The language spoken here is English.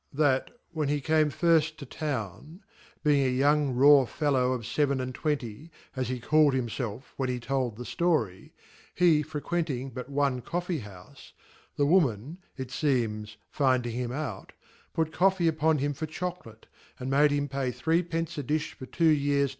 That (when he came firft to Town) he* ing a young raw fellow of feven and Twenty f ^as he call d him felf when he told the ftory, he frequenting hut one Cojfec houfe, the Woman (it feems finding him out) put Coffee upon him for Chocolate , and made him pay three' penced difhfor two years A /* Epiftlc to the TORIES.